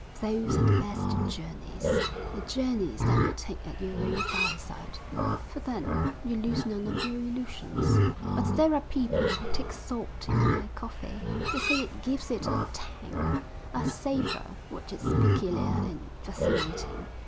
Those are the best journeys, the journeys that you take at your own fireside, for then you lose none of your illusions. But there are people who take salt in their coffee. They say it gives it a tang, a savour, which is peculiar and fascinating.